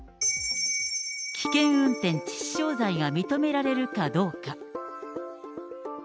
危険運転致死傷罪が認められるかどうか。